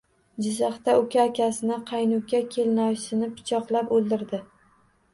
Jizzaxda uka akasini, qaynuka kelinoyisini pichoqlab o‘ldirdi